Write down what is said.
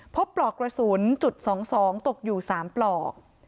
ปลอกกระสุนจุด๒๒ตกอยู่๓ปลอก